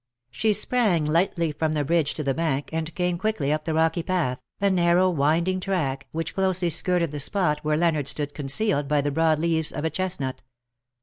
She sprang lightly from the bridge to the bank, and came quickly up the rocky path, a narrow winding track, which closely skirted the spot where Leonard stood concealed by the broad leaves of a chestnut.